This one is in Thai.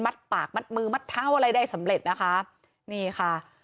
ปากมัดมือมัดเท้าอะไรได้สำเร็จนะคะนี่ค่ะ